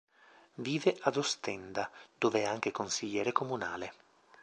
Vive ad Ostenda, dove è anche consigliere comunale.